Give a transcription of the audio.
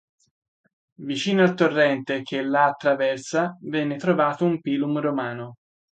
Vicino al torrente che la attraversa venne trovato un pilum romano.